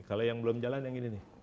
kalau yang belum jalan yang ini nih